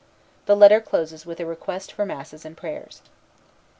The letter closes with a request for masses and prayers.